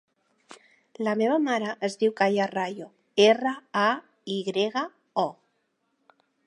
La meva mare es diu Gaia Rayo: erra, a, i grega, o.